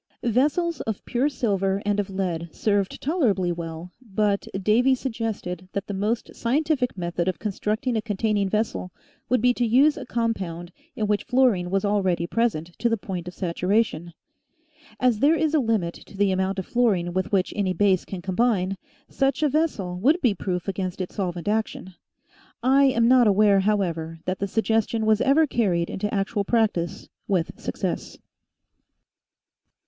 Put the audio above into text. Vessels of pure silver and of lead served toler ably well, but Davy suggested that the most scientific method of constructing a containing vessel would be to use a compound in which fluorine was already present to the point of saturation. As there is a limit to the amount of fluorine with which any base can combine, such a vessel would be proof against its solvent action. I am not aware, however, that the suggestion was ever carried into actual practice with success.